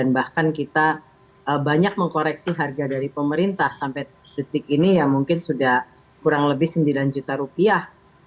bahkan kita banyak mengkoreksi harga dari pemerintah sampai detik ini ya mungkin sudah kurang lebih sembilan juta rupiah